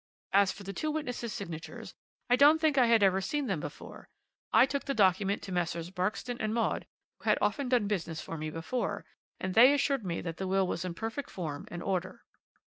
As for the two witnesses' signatures, I don't think I had ever seen them before. I took the document to Messrs. Barkston and Maud, who had often done business for me before, and they assured me that the will was in perfect form and order.'